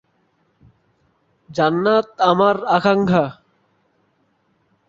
এছাড়াও শিক্ষিত ব্যক্তি বিশ্ব শান্তি প্রতিষ্ঠায় বিভিন্ন পদক্ষেপে নিজেকে নিয়োজিত করে পারে, যেমন- রাজনৈতিক আন্দোলন।